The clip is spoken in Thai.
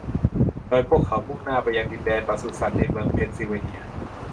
โดยพวกเขามุ่งหน้าไปยังดินแดนปศุสัตว์ในเมืองเพนซิลเวเนีย